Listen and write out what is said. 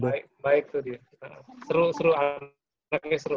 baik baik tuh dia seru seru seru